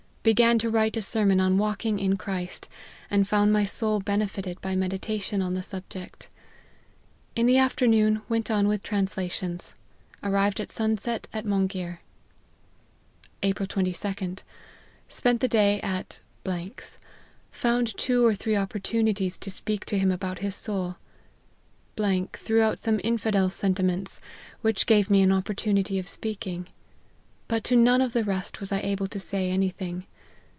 Began to write a sermon on walking in Christ, and fqjund my soul benefited by meditation on the subject. In the afternoon went on with translations. Arrived at sun set at Monghir." " April 22d. Spent the day at 's. Found two or three opportunities to speak to him about his soul. threw out some infidel sentiments, which gave me an opportunity of speaking. But to none of the rest was I able to say any thing.